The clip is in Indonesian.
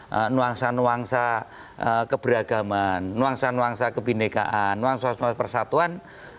bisa menjaga nuangsa nuangsa keberagaman nuangsa nuangsa kebindekaan nuangsa nuangsa persatuan